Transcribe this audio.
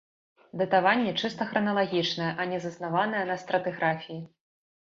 Датаванне чыста храналагічнае, а не заснаванае на стратыграфіі.